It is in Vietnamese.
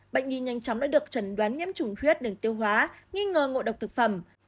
bệnh nhi nhanh chóng đã được trần đoán nhiễm trùng huyết đường tiêu hóa nghi ngờ ngộ độc thực phẩm